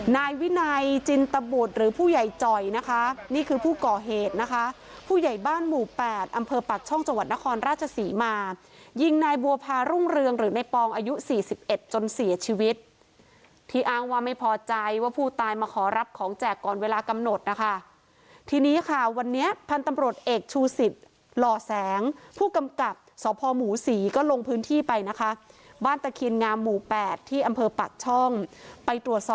นายวินัยจินตบุตรหรือผู้ใหญ่จอยนะคะนี่คือผู้ก่อเหตุนะคะผู้ใหญ่บ้านหมู่๘อำเภอปักช่องจังหวัดนครราชศรีมายิงนายบัวพารุ่งเรืองหรือในปองอายุ๔๑จนเสียชีวิตที่อ้างว่าไม่พอใจว่าผู้ตายมาขอรับของแจกก่อนเวลากำหนดนะคะที่นี้ค่ะวันนี้พันธ์ตำรวจเอกชูสิบหล่อแสงผู้กำกัดสพหมูศรีก็ลงพ